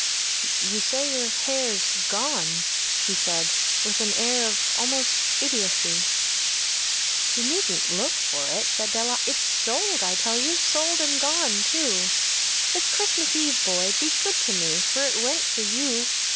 “You say your hair is gone?‚ÄĚ he said, with an air almost of idiocy. “You needn’t look for it,‚ÄĚ said Della. “It’s sold, I tell you‚ÄĒsold and gone, too. It’s Christmas Eve, boy. Be good to me, for it went for you.